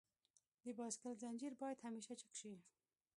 د بایسکل زنجیر باید همیشه چک شي.